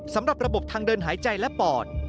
สำหรับระบบทางเดินหายใจและปอด